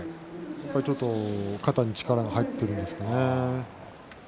ちょっと肩に力が入っているんですかね。